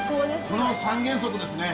この三原則ですね。